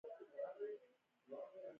آیا دوی د نړۍ اتلولي ګټلې نه ده؟